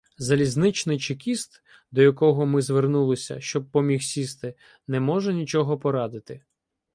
Залізничний чекіст, до якого ми звернулися, щоб поміг сісти, не може нічого порадити.